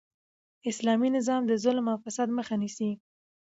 اسلامي نظام د ظلم او فساد مخ نیسي.